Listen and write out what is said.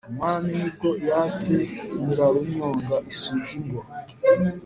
umwami, ni bwo yatse nyirarunyonga isogi ngo